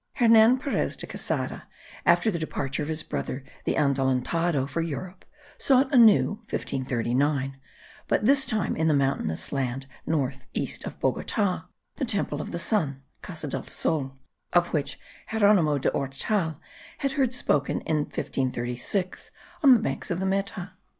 Hernan Perez de Quesada, after the departure of his brother the Adelantado for Europe, sought anew (1539) but this time in the mountainous land north east of Bogota, the temple of the sun (Casa del Sol), of which Geronimo de Ortal had heard spoken in 1536 on the banks of the Meta.